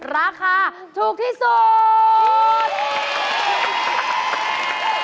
ราคาถูกที่สุด